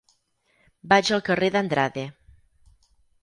Vaig al carrer d'Andrade.